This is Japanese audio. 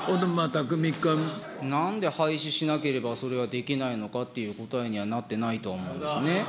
なんで廃止しなければ、それはできないのかっていう答えにはなってないと思うんですよね。